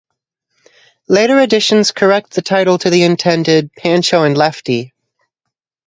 Later editions correct the title to the intended "Pancho and Lefty".